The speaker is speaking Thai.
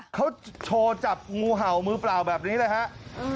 เขาโชว์จับงูเห่ามือเปล่าแบบนี้เลยครับ